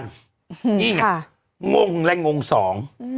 นี่ไงงงและงงสอง